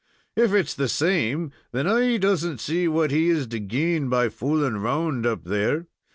If it's the same, then I does n't see what he is to gain by fooling round up there.